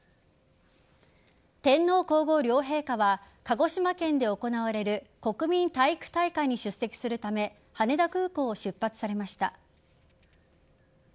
天皇皇后両陛下は鹿児島県で行われる国民体育大会に出席するため羽田空港を出発されました。